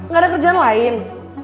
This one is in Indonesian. gak ada kerjaan lain